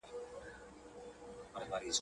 د پاچا سره د شپې تېرېدلو لپاره اړینه وه چي